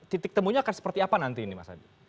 titik temunya akan seperti apa nanti ini mas adi